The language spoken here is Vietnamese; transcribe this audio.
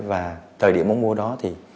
và thời điểm ông mua đó thì